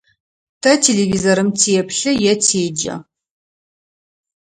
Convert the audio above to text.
Тэ телевизорым теплъы е теджэ.